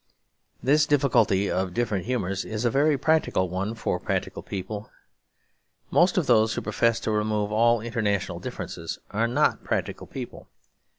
This difficulty of different humours is a very practical one for practical people. Most of those who profess to remove all international differences are not practical people.